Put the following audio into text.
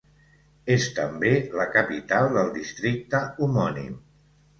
És també la capital del districte homònim.